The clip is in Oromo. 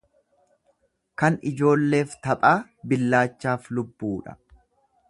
Kan ijoolleef taphaa billaachaaf lubbuudha.